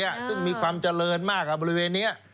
ซึ่งมีความเจริญมากกับบริเวณนี้